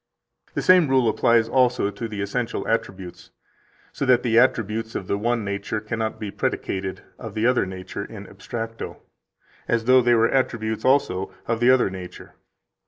16 The same rule applies also to the essential attributes, so that the attributes of the one nature cannot be predicated of the other nature in abstracto, as though they were attributes also of the other nature.